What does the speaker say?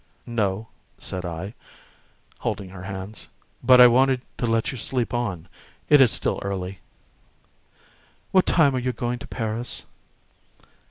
"No," said I, holding her hands; "but I wanted to let you sleep on. It is still early." "What time are you going to Paris?"